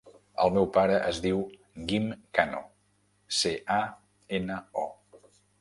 El meu pare es diu Guim Cano: ce, a, ena, o.